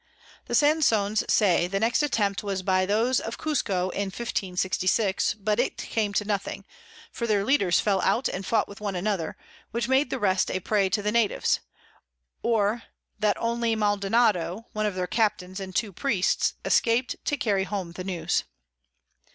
The Sansons say the next Attempt was by those of Cusco in 1566. but it came to nothing; for their Leaders fell out and fought with one another, which made the rest a Prey to the Natives: or that only Maldonado one of their Captains and two Priests escap'd to carry home the News.